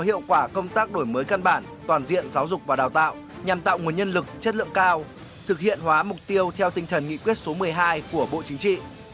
điều này đáp án các đổi mới căn bản toàn diện giáo dục và đào tạo nhằm tạo nguồn nhân lực chất lượng cao thực hiện hóa mục tiêu theo tinh thần nghị quyết số một mươi hai của bộ chính trị